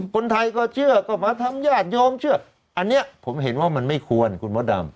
คนไทยก็เชื่อก็มาทำญาติโยมเชื่ออันนี้ผมเห็นว่ามันไม่ควรคุณมดดำ